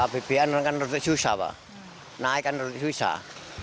bpn kan rute susah naik kan rute susah